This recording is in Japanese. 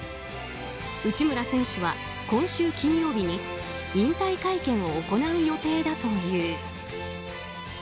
内村選手は今週金曜日に引退会見を行う予定だという。